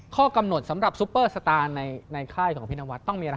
ข้อกำหนดสำหรับซุปเปอร์สตาร์ในค่ายของพี่นวัดต้องมีอะไร